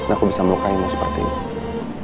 aku melukaimu seperti ini